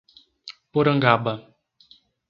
Porangaba